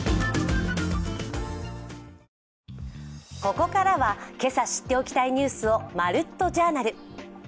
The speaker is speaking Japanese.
ここからは今朝知っておきたいニュースを「まるっと！Ｊｏｕｒｎａｌ」。